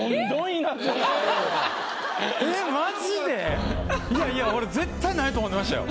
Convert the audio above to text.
いやいや俺絶対ないと思ってましたよ。